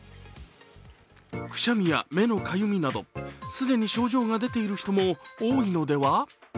くしゃみや目のかゆみなど既に症状の出ている人も多いのでは？